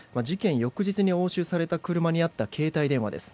翌日に押収された車にあった携帯電話です。